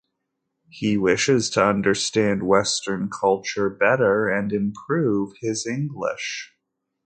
He wishes to understand Western culture better and improve his English.